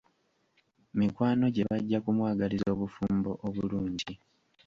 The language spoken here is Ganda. Mikwano gye bajja okumwagaliza obufumbo obulungi.